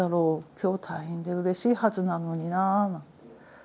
今日退院でうれしいはずなのになと。